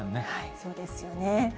そうですよね。